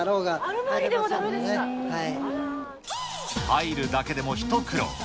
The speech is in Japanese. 入るだけでも一苦労。